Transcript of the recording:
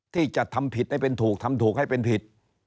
ที่จะทำผิดให้เป็นถูกทำถูกให้เป็นผิด